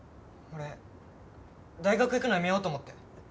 俺大学行くのやめようと思って。